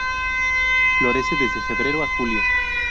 Florece desde febrero a julio.